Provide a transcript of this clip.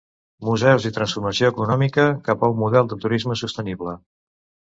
Museus i transformació econòmica, cap a un model de turisme sostenible.